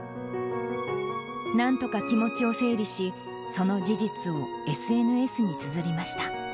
なんとか気持ちを整理し、その事実をＳＮＳにつづりました。